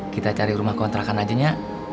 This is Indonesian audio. kita cari rumah kontrakan aja nya